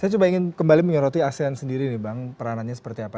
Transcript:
saya coba ingin kembali menyoroti asean sendiri nih bang peranannya seperti apa